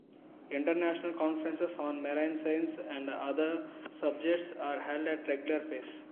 International conferences on Marine Science and other subjects are held at a regular pace.